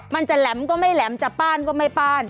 มันจะแหลมก็ไม่แหลมจะป้านก็ไม่ป้าน